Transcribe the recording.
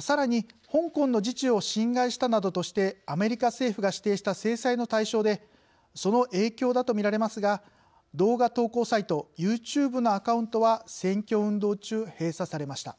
さらに「香港の自治を侵害した」などとしてアメリカ政府が指定した制裁の対象でその影響だと見られますが動画投稿サイトユーチューブのアカウントは選挙運動中閉鎖されました。